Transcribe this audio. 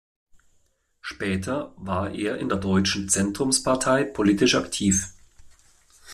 Später war er in der deutschen Zentrumspartei politisch aktiv.